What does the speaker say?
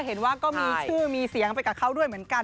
เห็นว่าก็มีชื่อมีเสียงไปกับเขาด้วยเหมือนกัน